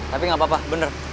tapi gak apa apa bener